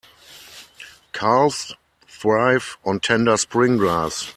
Calves thrive on tender spring grass.